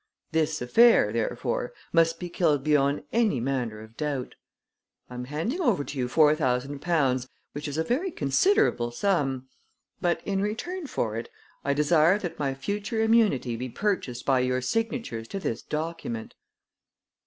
This affair, therefore, must be killed beyond any manner of doubt. I am handing over to you four thousand pounds, which is a very considerable sum; but in return for it I desire that my future immunity be purchased by your signatures to this document."